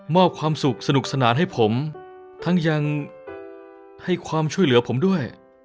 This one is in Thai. ความสุขสนุกสนานให้ผมทั้งยังให้ความช่วยเหลือผมด้วย